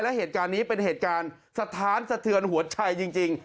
และเหตุการณ์นี้เป็นเหตุการณ์สะท้านสะเทือนหัวใจจริง